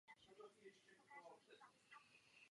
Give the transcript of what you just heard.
Zakladateli mošavu byli židovští přistěhovalci z Evropy.